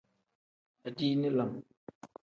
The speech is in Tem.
Adiini lam.